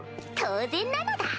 当然なのだ！